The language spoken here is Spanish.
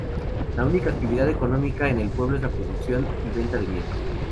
La única actividad económica en el pueblo es la producción y venta de miel.